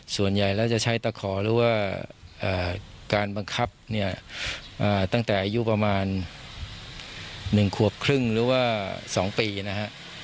ส่วนใหญ่แล้วจะใช้ตะขอหรือว่าการบังคับเนี่ยตั้งแต่อายุประมาณ๑ขวบครึ่งหรือว่า๒ปีนะฮะ